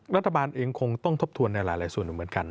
รัฐบาลเองคงต้องทบทวนในหลายส่วนเหมือนกัน